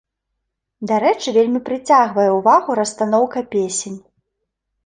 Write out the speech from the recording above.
Дарэчы, вельмі прыцягвае ўвагу расстаноўка песень.